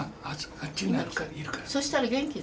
そしたら元気でね。